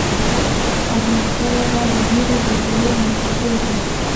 احمدشاه بابا د ډېرو جګړو مشري وکړه.